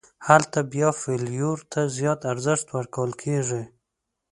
هلته بیا فلېور ته زیات ارزښت ورکول کېږي.